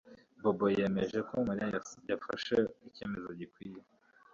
Bobo yemera ko Mariya yafashe icyemezo gikwiye